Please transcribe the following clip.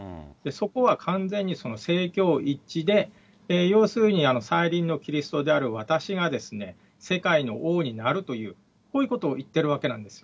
そこは完全にその政教一致で、要するに再臨のキリストである私が世界の王になるという、こういうことをいってるわけなんです。